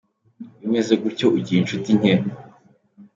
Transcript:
Iyo umeze gutyo ugira inshuti nke.